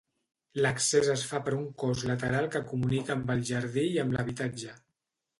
L'accés es fa per un cos lateral que comunica amb el jardí i amb l'habitatge.